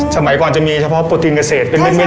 สมัยก่อนจะมีเฉพาะโปรตีนเกษตรเป็นเบนเองครับ